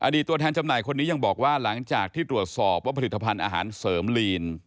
ตัวแทนจำหน่ายคนนี้ยังบอกว่าหลังจากที่ตรวจสอบว่าผลิตภัณฑ์อาหารเสริมลีน